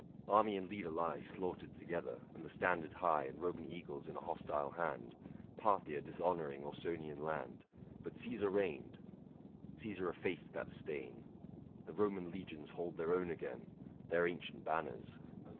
Army and leader lie Slaughtered together ; and the standard high And Roman eagles in a hostile hand — 665 Parthia dishonouring Ausonian land ! But Caesar reigned ; Caesar effaced that stain ; The Roman legions hold their own again — Their ancient banners.